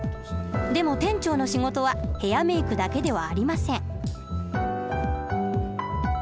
でも店長の仕事はヘアメ−クだけではありません。